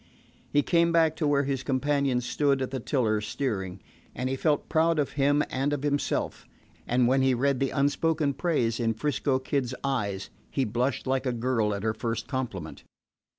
He came back to where his companion stood at the tiller steering, and he felt proud of him and of himself; and when he read the unspoken praise in 'Frisco Kid's eyes he blushed like a girl at her first compliment.